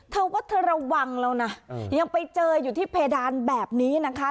เธอว่าเธอระวังแล้วนะยังไปเจออยู่ที่เพดานแบบนี้นะคะ